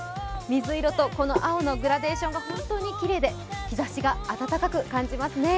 水色と青のグラデーションが本当にきれいで日ざしが暖かく感じますね。